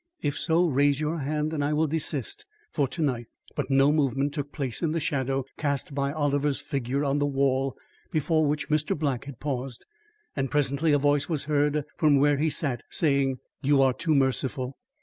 If so, raise your hand and I will desist for to night." But no movement took place in the shadow cast by Oliver's figure on the wall before which Mr. Black had paused, and presently, a voice was heard from where he sat, saying: "You are too merciful.